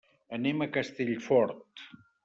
Anem a Castellfort.